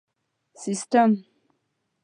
سیسټم